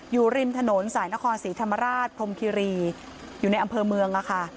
อยู่ริมถนนสายนครศรีธรรมราชพรมคิรีอยู่ในอำเภอเมืองค่ะ